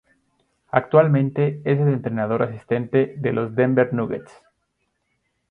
Actualmente es el entrenador asistente de los Denver Nuggets.